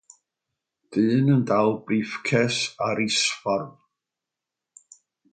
Dyn yn dal brîffces ar isffordd.